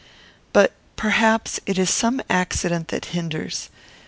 But, perhaps, it is some accident that hinders.